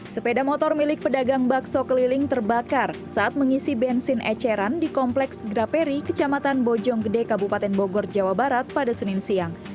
sepeda motor milik pedagang bakso keliling terbakar saat mengisi bensin eceran di kompleks graperi kecamatan bojonggede kabupaten bogor jawa barat pada senin siang